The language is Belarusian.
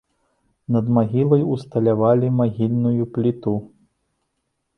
Над магілай усталявалі магільную пліту.